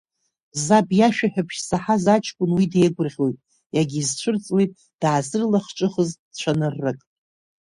Заб иашәаҳәабжь заҳаз аҷкәын уи деигәырӷьоит, иагьизцәырҵуеит даазырлахҿыхыз цәаныррак.